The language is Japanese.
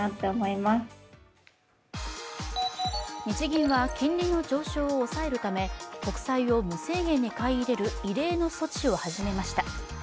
日銀は金利の上昇を抑えるため国債を無制限に買い入れる異例の措置を始めました。